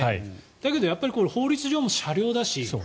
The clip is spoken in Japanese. だけどやっぱり法律上も車両だし。